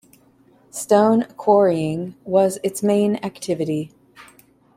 Stone quarrying was its main activity.